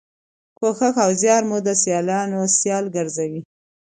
کوښښ او زیار مو د سیالانو سیال ګرځوي.